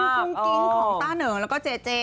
จริงของต้านเหิงแล้วก็เจเจ